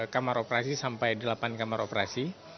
kamar operasi sampai delapan kamar operasi